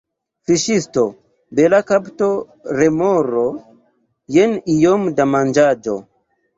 Fiŝisto: "Bela kapto, remoro. Jen iom da manĝaĵo."